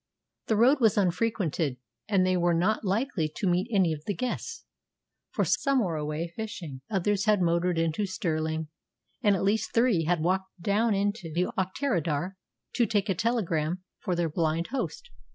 The road was unfrequented, and they were not likely to meet any of the guests, for some were away fishing, others had motored into Stirling, and at least three had walked down into Auchterarder to take a telegram for their blind host.